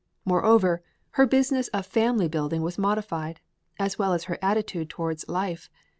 Moreover, her business of family building was modified, as well as her attitude towards life.